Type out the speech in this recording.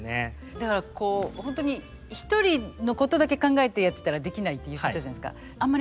だからこう本当に一人のことだけ考えてやってたらできないって言ってたじゃないですか。